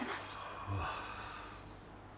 ああ。